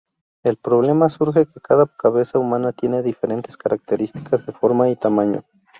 El problema surge que cada cabeza humana tiene diferentes características de forma y tamaño.